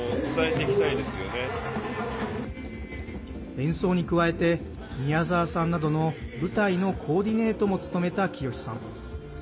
演奏に加えて宮沢さんなどの、舞台のコーディネートも務めた清さん。